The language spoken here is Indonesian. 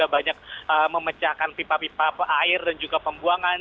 bahkan pipa pipa air dan juga pembuangan